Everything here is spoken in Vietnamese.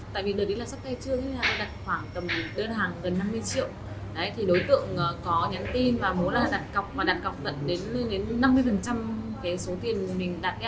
tại vì đợt ý là sát ngày trưa thì em đã đặt khoảng tầm đơn hàng gần năm mươi triệu đấy thì đối tượng có nhắn tin và muốn là đặt cọc và đặt cọc gần đến năm mươi cái số tiền mình đặt nhé